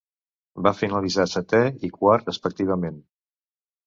Va finalitzar setè i quart respectivament.